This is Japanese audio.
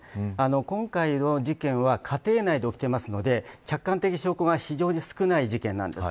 今回の事件は家庭内で起きていますので客観的証拠が非常に少ない事件です。